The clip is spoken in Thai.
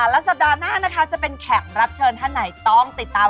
แล้วสัปดาห์หน้านะคะจะเป็นแขกรับเชิญท่านไหนต้องติดตาม